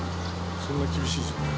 そんな厳しい状態。